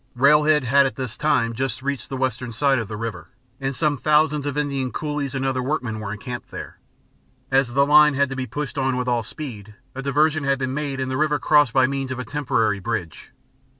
Railhead had at this time just reached the western side of the river, and some thousands of Indian coolies and other workmen were encamped there. As the line had to be pushed on with all speed, a diversion had been made and the river crossed by means of a temporary bridge.